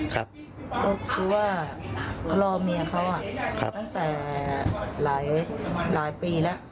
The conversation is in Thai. ก็คือว่ารอเมียเขาตั้งแต่หลายปีแล้ว